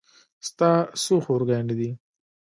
ستا څو خور ګانې دي